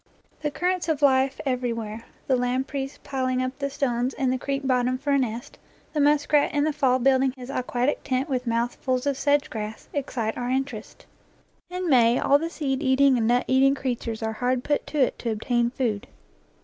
The currents of life everywhere, the lampreys piling up the stones in the creek bot tom for a nest, the muskrat in the fall building his aquatic tent with mouthfuls of sedge grass, excite our interest. In May all the seed eating and nut eating creatures are hard put to it to obtain food.